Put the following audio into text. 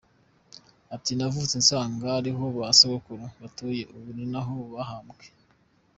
Ati “ Navutse nsanga ariho ba sogokuru batuye, ubu ni naho bahambwe.